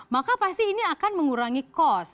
maka pasti ini akan mengurangi cost